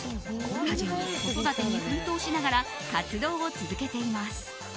家事に子育てに奮闘しながら活動を続けています。